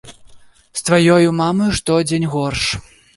З тваёю мамаю штодзень горш.